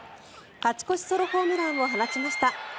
勝ち越しソロホームランを放ちました。